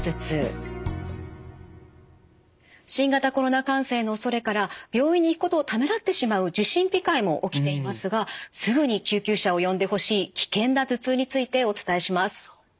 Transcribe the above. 新型コロナ感染のおそれから病院に行くことをためらってしまう受診控えも起きていますがすぐに救急車を呼んでほしい危険な頭痛についてお伝えします。